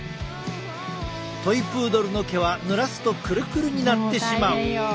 トイプードルの毛はぬらすとクルクルになってしまう。